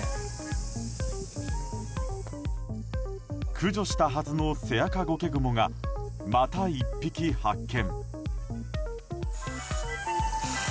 駆除したはずのセアカゴケグモがまた１匹発見。